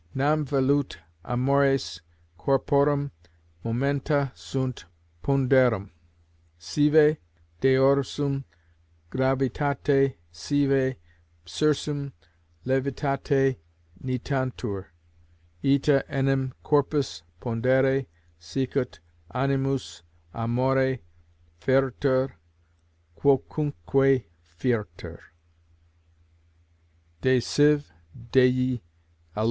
Nam velut amores corporum momenta sunt ponderum, sive deorsum gravitate, sive sursum levitate nitantur: ita enim corpus pondere, sicut animus amore fertur quocunque fertur_" (De Civ.